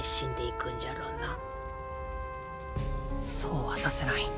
そうはさせない。